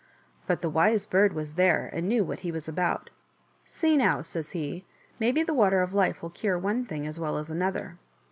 But the Wise Bird was there and knew what he was about ;" See now," says he, " maybe the Water of Life will cure one thing as well as another."